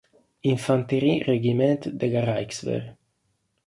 Infanterie Regiment della Reichswehr.